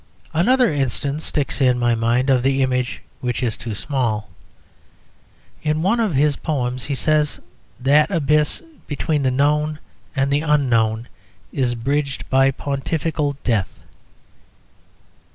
Another instance sticks in my mind of the image which is too small. In one of his poems, he says that abyss between the known and the unknown is bridged by "Pontifical death."